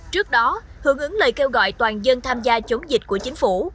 trước đó hưởng ứng lời kêu gọi toàn dân tham gia chống dịch của chính phủ